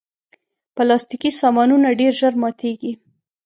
پلاستيکي سامانونه ډېر ژر ماتیږي.